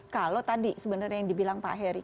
kalau tadi sebenarnya yang dibilang pak heri